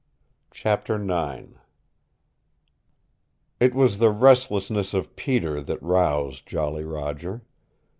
CHAPTER IX It was the restlessness of Peter that roused Jolly Roger.